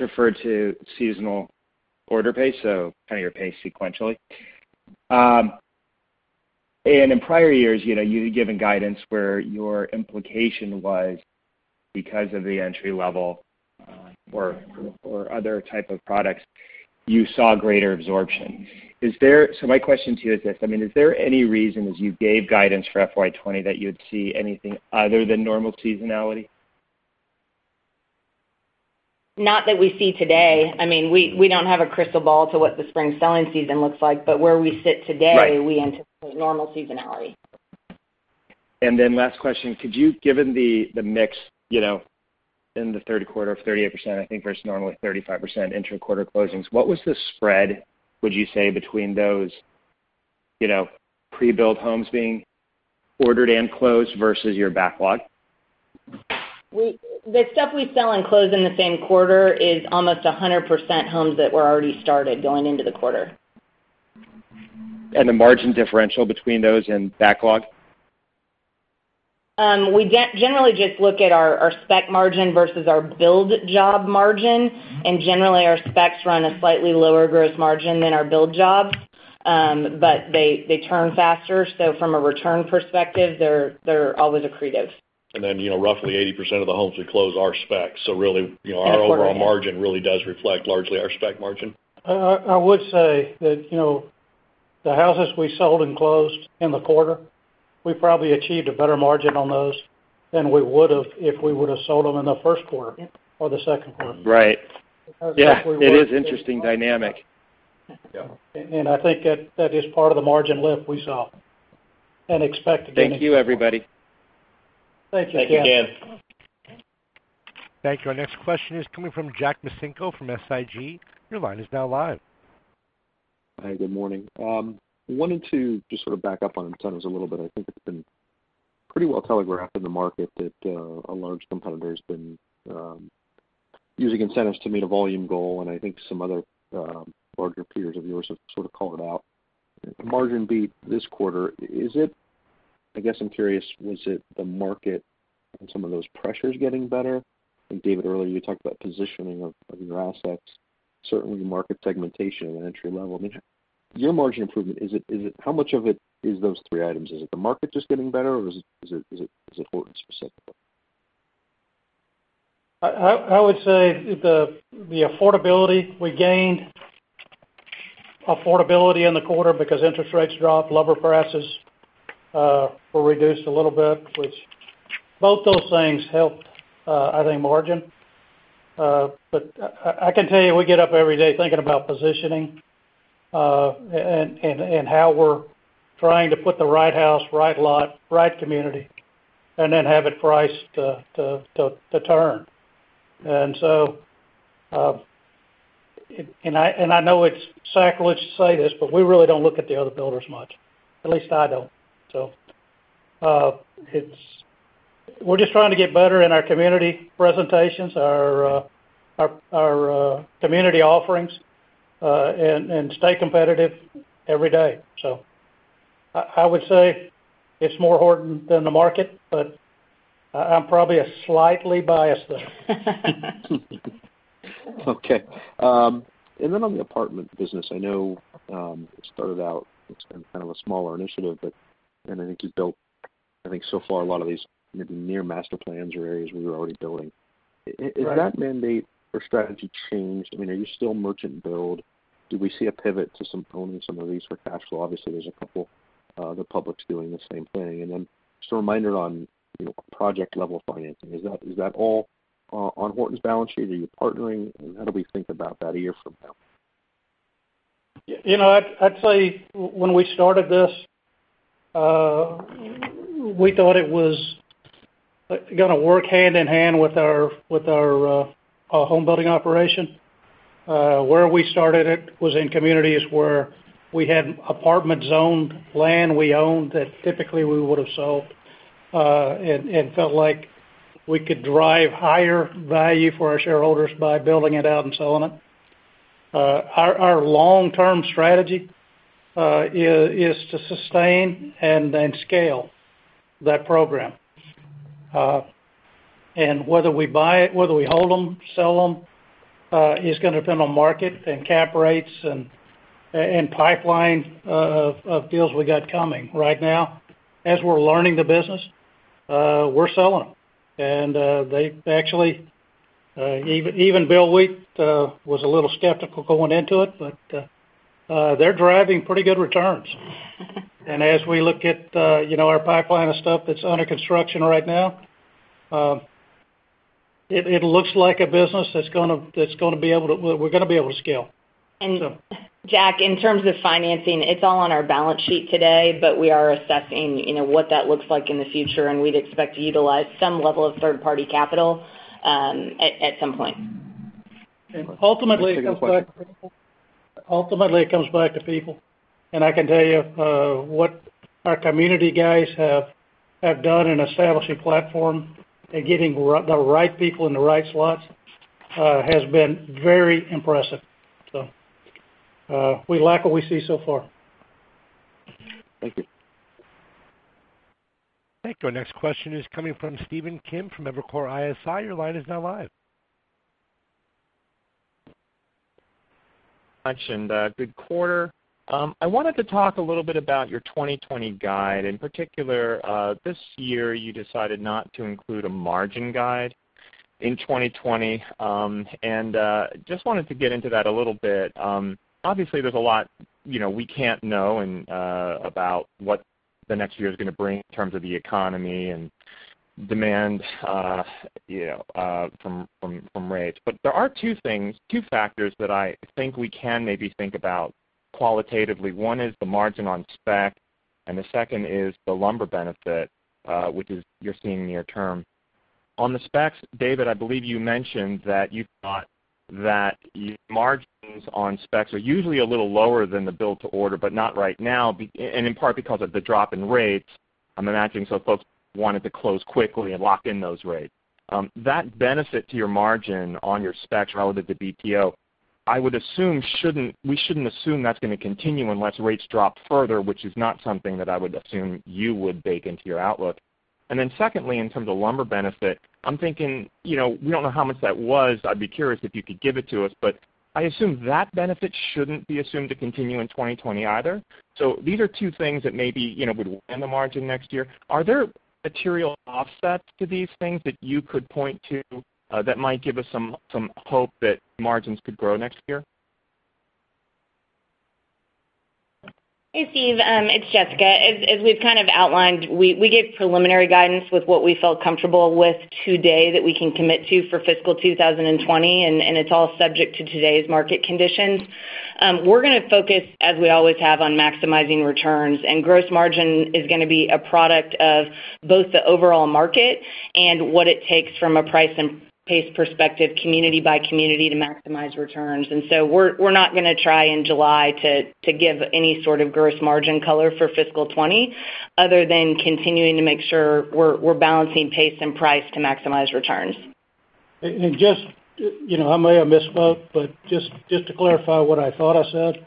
referred to seasonal order pace, so kind of your pace sequentially. In prior years, you've given guidance where your implication was because of the entry level, or other type of products, you saw greater absorption. My question to you is this, is there any reason as you gave guidance for FY 2020 that you'd see anything other than normal seasonality? Not that we see today. We don't have a crystal ball to what the spring selling season looks like. Right We anticipate normal seasonality. Last question, could you, given the mix in the Q3 of 38%, I think versus normally 35% inter quarter closings, what was the spread, would you say, between those pre-built homes being ordered and closed versus your backlog? The stuff we sell and close in the same quarter is almost 100% homes that were already started going into the quarter. The margin differential between those and backlog? We generally just look at our spec margin versus our build job margin. Generally, our specs run a slightly lower gross margin than our build jobs. They turn faster, so from a return perspective, they're always accretive. Roughly 80% of the homes we close are specs. In a quarter, yeah. our overall margin really does reflect largely our spec margin. I would say that the houses we sold and closed in the quarter, we probably achieved a better margin on those than we would've if we would've sold them in the Q1 or the Q2. Right. Yeah. It is interesting dynamic. I think that is part of the margin lift we saw and expect to continue. Thank you everybody. Thank you, Ken. Thank you, Ken. Thank you. Our next question is coming from Jack Micenko from SIG. Your line is now live. Hi, good morning. Wanted to just sort of back up on incentives a little bit. I think it's been pretty well telegraphed in the market that a large competitor has been using incentives to meet a volume goal, and I think some other larger peers of yours have sort of called it out. The margin beat this quarter, I guess I'm curious, was it the market and some of those pressures getting better? I think David, earlier you talked about positioning of your assets, certainly market segmentation and entry level. Your margin improvement, how much of it is those three items? Is it the market just getting better, or is it Horton specifically? I would say the affordability. We gained affordability in the quarter because interest rates dropped, lumber prices were reduced a little bit, which both those things helped, I think, margin. I can tell you, we get up every day thinking about positioning, and how we're trying to put the right house, right lot, right community, and then have it priced to turn. I know it's sacrilege to say this, but we really don't look at the other builders much. At least I don't. We're just trying to get better in our community presentations, our community offerings, and stay competitive every day. I would say it's more Horton than the market, but I'm probably a slightly biased though. Okay. On the apartment business, I know it started out as kind of a smaller initiative, but then I think you built I think so far a lot of these maybe near master plans or areas we were already building. Right. Has that mandate or strategy changed? Are you still merchant build? Do we see a pivot to some owning some of these for cash flow? Obviously, there's a couple, the publics doing the same thing. Just a reminder on project level financing. Is that all on Horton's balance sheet? Are you partnering? How do we think about that a year from now? I'd say when we started this, we thought it was going to work hand in hand with our home building operation. Where we started it was in communities where we had apartment zoned land we owned that typically we would've sold, and felt like we could drive higher value for our shareholders by building it out and selling it. Our long-term strategy is to sustain and then scale that program. Whether we buy it, whether we hold them, sell them, is going to depend on market and cap rates and pipeline of deals we got coming. Right now, as we're learning the business, we're selling them. They actually, even Bill Wheat was a little skeptical going into it, but they're driving pretty good returns. As we look at our pipeline of stuff that's under construction right now, it looks like a business that we're going to be able to scale. Jack, in terms of financing, it's all on our balance sheet today, but we are assessing what that looks like in the future, and we'd expect to utilize some level of third-party capital at some point. Ultimately, it comes back to people. I can tell you what our community guys have done in establishing platform and getting the right people in the right slots has been very impressive. We like what we see so far. Thank you. Thank you. Our next question is coming from Stephen Kim from Evercore ISI. Your line is now live. mentioned good quarter. I wanted to talk a little bit about your 2020 guide. In particular, this year you decided not to include a margin guide in 2020. Just wanted to get into that a little bit. Obviously, there's a lot we can't know about what the next year is going to bring in terms of the economy and demand from rates. There are two things, two factors that I think we can maybe think about qualitatively. One is the margin on spec, and the second is the lumber benefit, which is you're seeing near term. On the specs, David, I believe you mentioned that you thought that your margins on specs are usually a little lower than the build-to-order, but not right now, and in part because of the drop in rates, I'm imagining so folks wanted to close quickly and lock in those rates. That benefit to your margin on your specs relative to BTO, I would assume we shouldn't assume that's going to continue unless rates drop further, which is not something that I would assume you would bake into your outlook. Secondly, in terms of lumber benefit, I'm thinking, we don't know how much that was. I'd be curious if you could give it to us, I assume that benefit shouldn't be assumed to continue in 2020 either. These are two things that maybe would end the margin next year. Are there material offsets to these things that you could point to that might give us some hope that margins could grow next year? Hey, Steve. It's Jessica. As we've kind of outlined, we gave preliminary guidance with what we felt comfortable with today that we can commit to for fiscal 2020. It's all subject to today's market conditions. We're going to focus, as we always have, on maximizing returns. Gross margin is going to be a product of both the overall market and what it takes from a price and pace perspective, community by community to maximize returns. We're not going to try in July to give any sort of gross margin color for fiscal 2020, other than continuing to make sure we're balancing pace and price to maximize returns. Just, I may have misspoke, but just to clarify what I thought I said.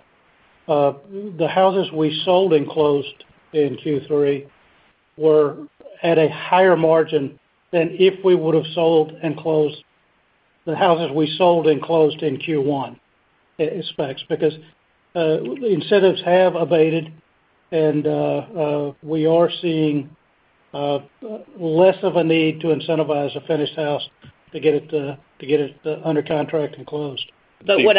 The houses we sold and closed in Q3 were at a higher margin than if we would've sold and closed the houses we sold and closed in Q1, in specs. Incentives have abated, and we are seeing less of a need to incentivize a finished house to get it under contract and closed. What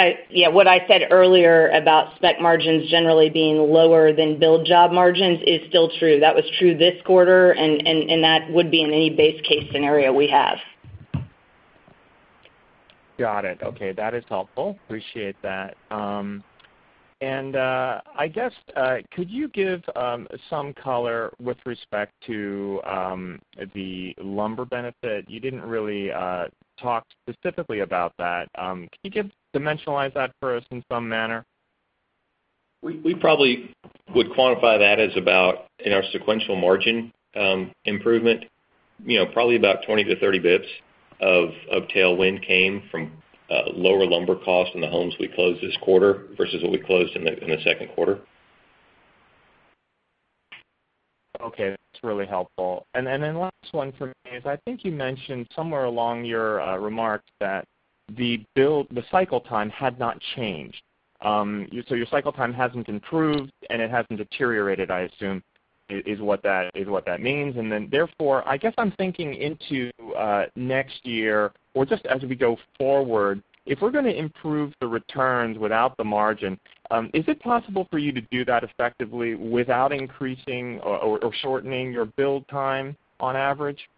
I said earlier about spec margins generally being lower than build job margins is still true. That was true this quarter, and that would be in any base case scenario we have. Got it. Okay. That is helpful. Appreciate that. I guess, could you give some color with respect to the lumber benefit? You didn't really talk specifically about that. Can you dimensionalize that for us in some manner? We probably would quantify that as about, in our sequential margin improvement, probably about 20-30 basis points of tailwind came from lower lumber costs in the homes we closed this quarter versus what we closed in the Q2. Okay. That's really helpful. Last one from me is, I think you mentioned somewhere along your remark that the cycle time had not changed. Your cycle time hasn't improved, and it hasn't deteriorated, I assume, is what that means. Therefore, I guess I'm thinking into next year, or just as we go forward, if we're going to improve the returns without the margin, is it possible for you to do that effectively without increasing or shortening your build time on average?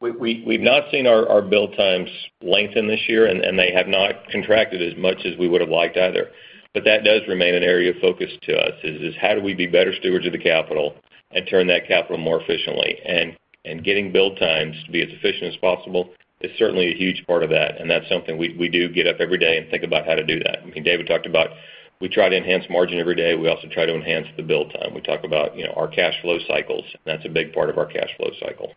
We've not seen our build times lengthen this year, and they have not contracted as much as we would've liked either. That does remain an area of focus to us, is how do we be better stewards of the capital and turn that capital more efficiently? Getting build times to be as efficient as possible is certainly a huge part of that, and that's something we do get up every day and think about how to do that. I mean, David talked about, we try to enhance margin every day. We also try to enhance the build time. We talk about our cash flow cycles. That's a big part of our cash flow cycle.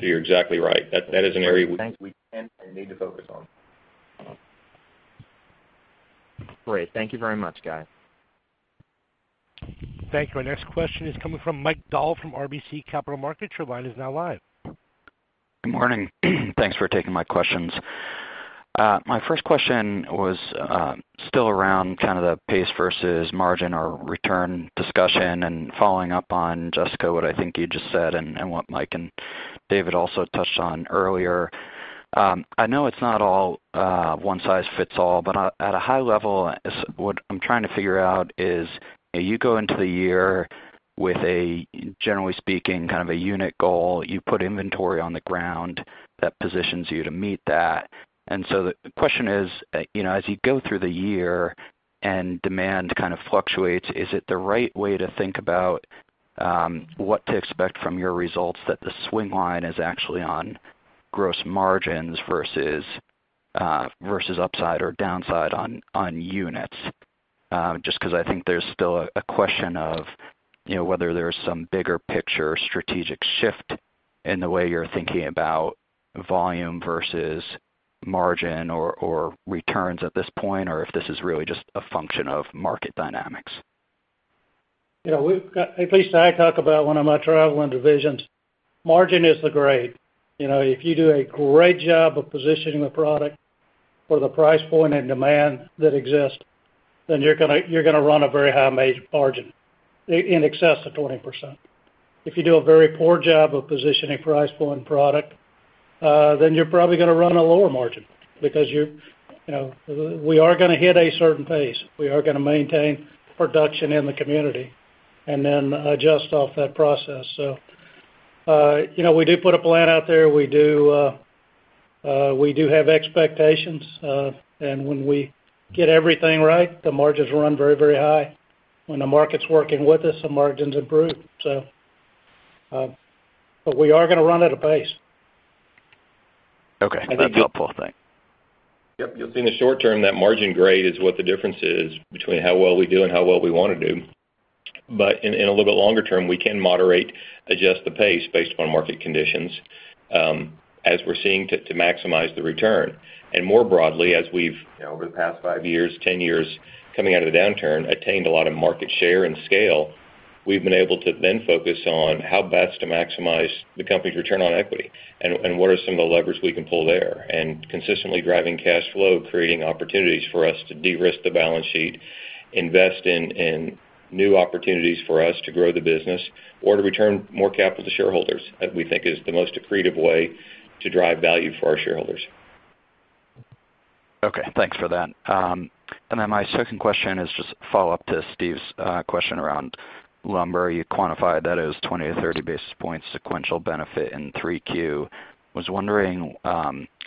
You're exactly right. That is an area we can and need to focus on. Great. Thank you very much, guys. Thank you. Our next question is coming from Mike Dahl from RBC Capital Markets. Your line is now live. Good morning. Thanks for taking my questions. My first question was still around kind of the pace versus margin or return discussion, and following up on Jessica, what I think you just said and what Mike and David also touched on earlier. I know it's not all one size fits all, but at a high level, what I'm trying to figure out is, you go into the year with a, generally speaking, kind of a unit goal. You put inventory on the ground that positions you to meet that. The question is, as you go through the year and demand kind of fluctuates, is it the right way to think about what to expect from your results that the swing line is actually on gross margins versus upside or downside on units? Just because I think there's still a question of whether there's some bigger picture strategic shift in the way you're thinking about volume versus margin or returns at this point, or if this is really just a function of market dynamics. At least I talk about when I'm out traveling divisions, margin is the grade. If you do a great job of positioning the product for the price point and demand that exists, then you're going to run a very high margin, in excess of 20%. If you do a very poor job of positioning price point product, then you're probably going to run a lower margin because we are going to hit a certain pace. We are going to maintain production in the community and then adjust off that process. We do put a plan out there. We do have expectations. When we get everything right, the margins run very high. When the market's working with us, the margins improve. We are going to run at a pace. Okay. That's helpful. Thanks. Yep. In the short term, that margin grade is what the difference is between how well we do and how well we want to do. In a little bit longer term, we can moderate, adjust the pace based upon market conditions as we're seeing to maximize the return. More broadly, as we've over the past five years, 10 years, coming out of the downturn, attained a lot of market share and scale, we've been able to then focus on how best to maximize the company's return on equity and what are some of the levers we can pull there. Consistently driving cash flow, creating opportunities for us to de-risk the balance sheet, invest in new opportunities for us to grow the business or to return more capital to shareholders, that we think is the most accretive way to drive value for our shareholders. Okay. Thanks for that. My second question is just a follow-up to Steve's question around lumber. You quantified that as 20-30 basis points sequential benefit in Q3. Was wondering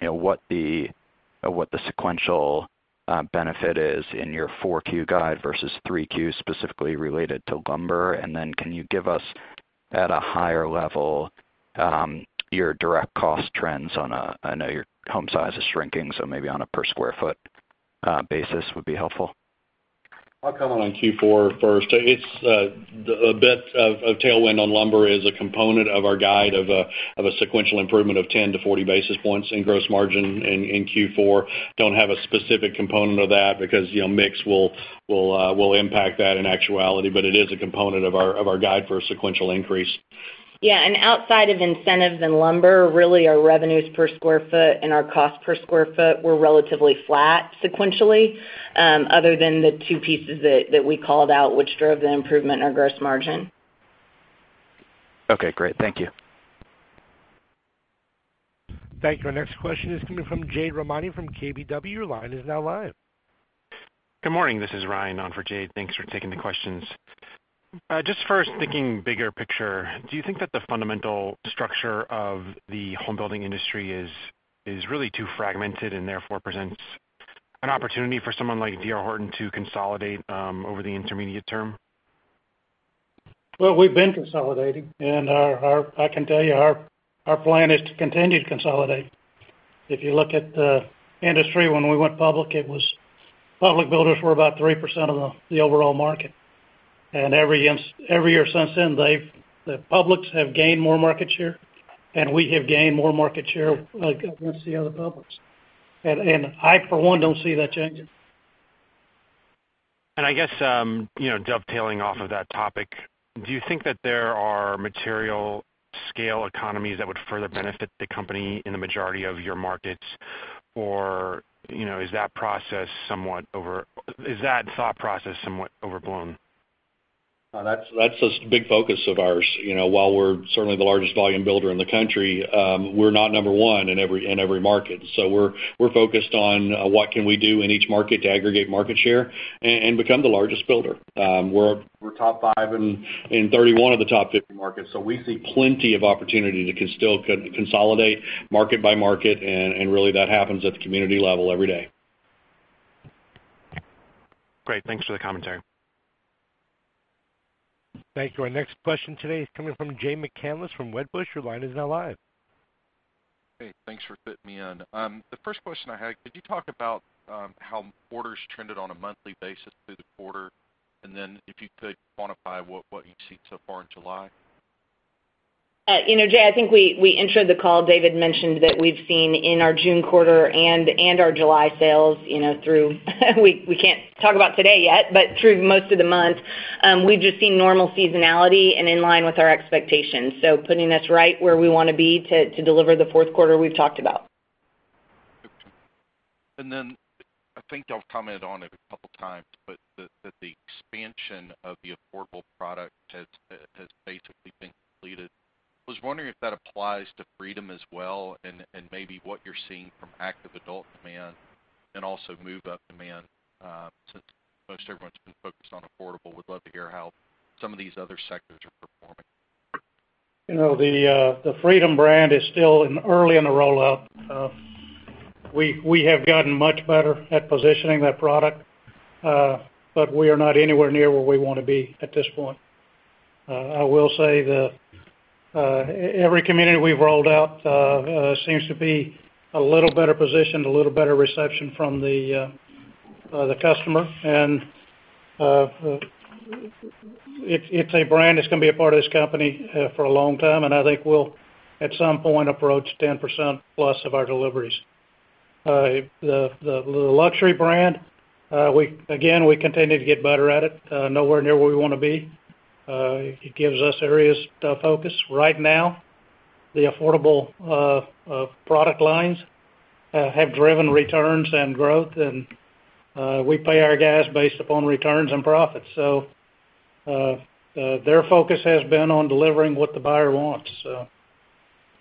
what the sequential benefit is in your Q4 guide versus Q3 specifically related to lumber. Can you give us at a higher level your direct cost trends I know your home size is shrinking, so maybe on a per square foot basis would be helpful. I'll comment on Q4 first. A bit of tailwind on lumber is a component of our guide of a sequential improvement of 10 to 40 basis points in gross margin in Q4. Don't have a specific component of that because mix will impact that in actuality, but it is a component of our guide for a sequential increase. Yeah, outside of incentives and lumber, really our revenues per square foot and our cost per square foot were relatively flat sequentially, other than the two pieces that we called out which drove the improvement in our gross margin. Okay, great. Thank you. Thank you. Our next question is coming from Jade Rahmani from KBW. Your line is now live. Good morning. This is Ryan on for Jade. Thanks for taking the questions. Just first thinking bigger picture, do you think that the fundamental structure of the home building industry is really too fragmented and therefore presents an opportunity for someone like D.R. Horton to consolidate over the intermediate term? Well, we've been consolidating, and I can tell you our plan is to continue to consolidate. If you look at the industry, when we went public builders were about 3% of the overall market. Every year since then, the publics have gained more market share, and we have gained more market share against the other publics. I, for one, don't see that changing. I guess, dovetailing off of that topic, do you think that there are material scale economies that would further benefit the company in the majority of your markets? Or is that thought process somewhat overblown? No, that's a big focus of ours. While we're certainly the largest volume builder in the country, we're not number one in every market. We're focused on what can we do in each market to aggregate market share and become the largest builder. We're top five in 31 of the top 50 markets, so we see plenty of opportunity to still consolidate market by market, and really that happens at the community level every day. Great. Thanks for the commentary. Thank you. Our next question today is coming from Jay McCanless from Wedbush. Your line is now live. Hey, thanks for fitting me in. The first question I had, could you talk about how orders trended on a monthly basis through the quarter? If you could quantify what you've seen so far in July? Jay, I think we introduced the call. David mentioned that we've seen in our June quarter and our July sales through, we can't talk about today yet, but through most of the month, we've just seen normal seasonality and in line with our expectations. Putting us right where we want to be to deliver the Q4 we've talked about. I think y'all have commented on it a couple times, but that the expansion of the affordable product has basically been completed. Was wondering if that applies to Freedom as well, and maybe what you're seeing from active adult demand, and also move-up demand, since most everyone's been focused on affordable, would love to hear how some of these other sectors are performing? The Freedom brand is still early in the rollout. We have gotten much better at positioning that product, but we are not anywhere near where we want to be at this point. I will say that every community we've rolled out seems to be a little better positioned, a little better reception from the customer. It's a brand that's going to be a part of this company for a long time, and I think we'll, at some point, approach 10%+ of our deliveries. The luxury brand, again, we continue to get better at it. Nowhere near where we want to be. It gives us areas to focus. Right now, the affordable product lines have driven returns and growth, and we pay our guys based upon returns and profits. Their focus has been on delivering what the buyer wants.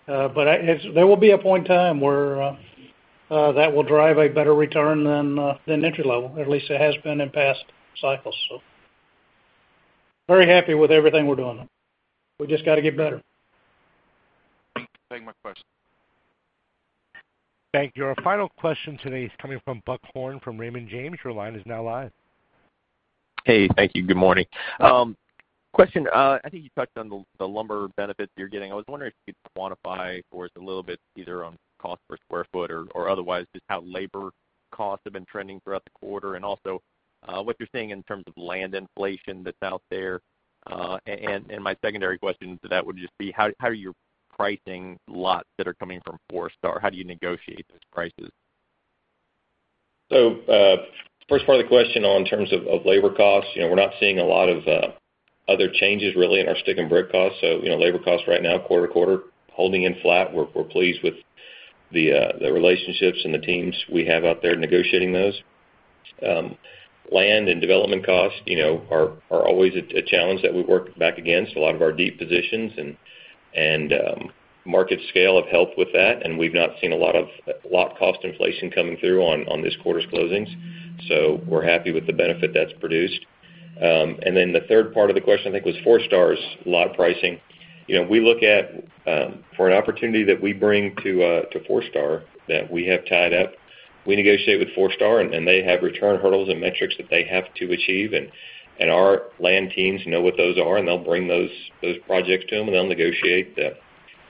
There will be a point in time where that will drive a better return than entry-level. At least there has been in past cycles, so very happy with everything we're doing. We've just got to get better. Thank you. My question's done. Thank you. Our final question today is coming from Buck Horne, from Raymond James. Your line is now live. Hey, thank you. Good morning. Question, I think you touched on the lumber benefit that you're getting. I was wondering if you could quantify for us a little bit, either on cost per square foot or otherwise, just how labor costs have been trending throughout the quarter, and also what you're seeing in terms of land inflation that's out there. My secondary question to that would just be, how are you pricing lots that are coming from Forestar? How do you negotiate those prices? First part of the question on terms of labor costs. We're not seeing a lot of other changes, really, in our stick and brick costs. Labor costs right now, quarter to quarter, holding in flat. We're pleased with the relationships and the teams we have out there negotiating those. Land and development costs are always a challenge that we work back against a lot of our deep positions, and market scale have helped with that, and we've not seen a lot of lot cost inflation coming through on this quarter's closings. We're happy with the benefit that's produced. Then the third part of the question, I think, was Forestar's lot pricing. For an opportunity that we bring to Forestar that we have tied up, we negotiate with Forestar, and they have return hurdles and metrics that they have to achieve. Our land teams know what those are, and they'll bring those projects to them, and they'll negotiate the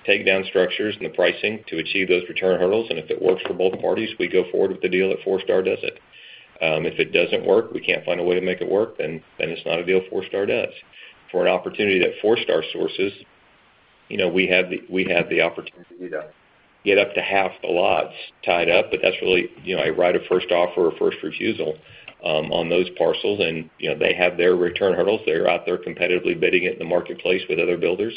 takedown structures and the pricing to achieve those return hurdles. If it works for both parties, we go forward with the deal that Forestar does it. If it doesn't work, we can't find a way to make it work, then it's not a deal Forestar does. For an opportunity that Forestar sources, we have the opportunity to get up to half the lots tied up, but that's really a right of first offer or first refusal on those parcels, and they have their return hurdles. They're out there competitively bidding it in the marketplace with other builders.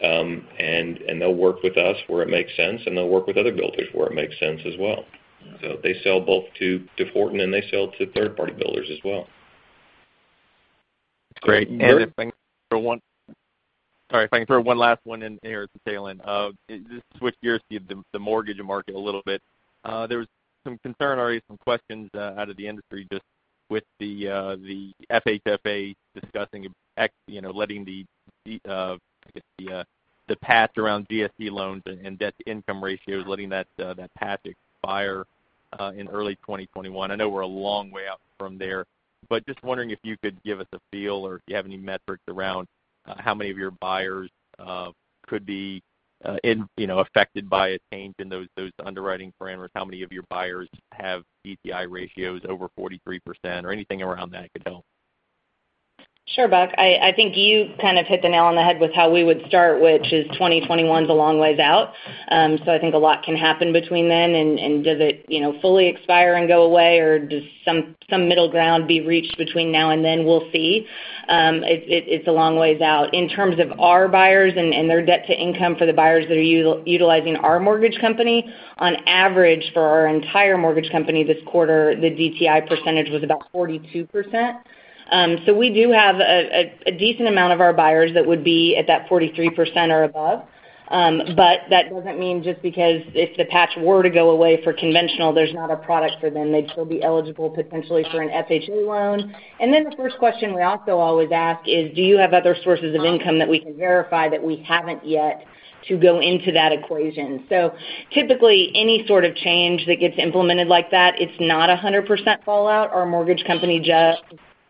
They'll work with us where it makes sense, and they'll work with other builders where it makes sense as well. They sell both to Horton, and they sell to third-party builders as well. That's great. If I can throw one last one in here at the tail end. Just switch gears to the mortgage market a little bit. There was some concern, or I guess some questions out of the industry just with the FHFA discussing letting the, I guess, the path around GSE loans and debt-to-income ratios, letting that path expire in early 2021. I know we're a long way out from there, just wondering if you could give us a feel or if you have any metrics around how many of your buyers could be affected by a change in those underwriting parameters. How many of your buyers have DTI ratios over 43% or anything around that could help. Sure, Buck. I think you hit the nail on the head with how we would start, which is 2021 is a long ways out. I think a lot can happen between then, and does it fully expire and go away, or does some middle ground be reached between now and then? We'll see. It's a long ways out. In terms of our buyers and their debt-to-income for the buyers that are utilizing our mortgage company, on average for our entire mortgage company this quarter, the DTI percentage was about 42%. We do have a decent amount of our buyers that would be at that 43% or above. That doesn't mean just because if the patch were to go away for conventional, there's not a product for them. They'd still be eligible potentially for an FHA loan. The first question we also always ask is, do you have other sources of income that we can verify that we haven't yet to go into that equation? Typically, any sort of change that gets implemented like that, it's not 100% fallout. Our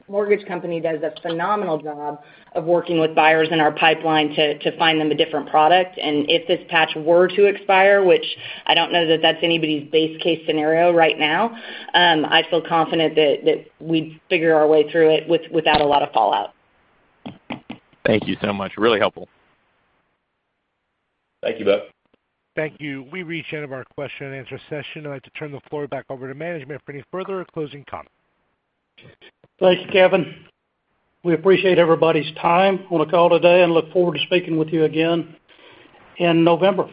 mortgage company does a phenomenal job of working with buyers in our pipeline to find them a different product. If this patch were to expire, which I don't know that that's anybody's base case scenario right now, I feel confident that we'd figure our way through it without a lot of fallout. Thank you so much. Really helpful. Thank you, Buck. Thank you. We've reached the end of our question and answer session. I'd like to turn the floor back over to management for any further or closing comments. Thank you, Kevin. We appreciate everybody's time on the call today and look forward to speaking with you again in November.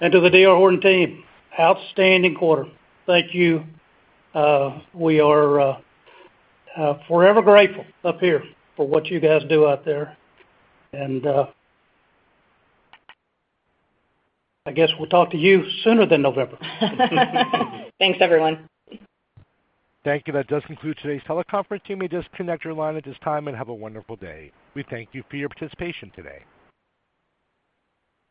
To the D.R. Horton team, outstanding quarter. Thank you. We are forever grateful up here for what you guys do out there. I guess we'll talk to you sooner than November. Thanks, everyone. Thank you. That does conclude today's teleconference. You may disconnect your line at this time, and have a wonderful day. We thank you for your participation today.